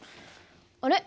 あれ？